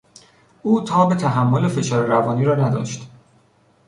او تاب تحمل فشار روانی را نداشت.